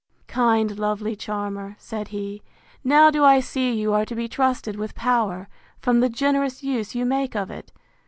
Kind, lovely charmer! said he, now do I see you are to be trusted with power, from the generous use you make of it!